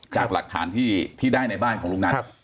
จากหลักฐานที่ได้ในบ้านของลุงนัท